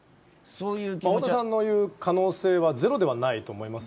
太田さんの言う可能性はゼロではないと思います。